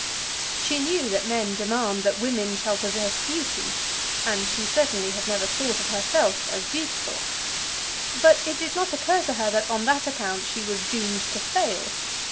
She knew that men demand that women shall possess beauty, and she certainly had never thought of herself as beautiful; but it did not occur to her that on that account she was doomed to fail.